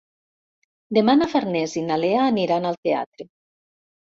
Demà na Farners i na Lea aniran al teatre.